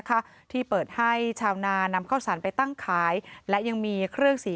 ที่เปิดให้ชาวนานำข้าวสารไปตั้งขายและยังมีเครื่องสี